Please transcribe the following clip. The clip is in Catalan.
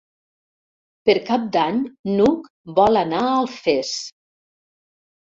Per Cap d'Any n'Hug vol anar a Alfés.